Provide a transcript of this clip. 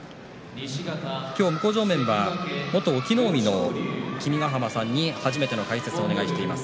向正面は元隠岐の海の君ヶ濱さんに初めての解説をお願いしています。